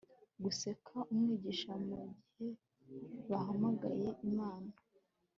Guseka Umwigisha mugihe bahamagaye imana